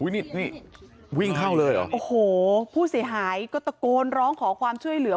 นี่นี่วิ่งเข้าเลยเหรอโอ้โหผู้เสียหายก็ตะโกนร้องขอความช่วยเหลือ